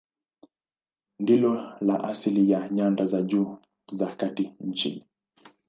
Ndilo la asili la nyanda za juu za kati nchini.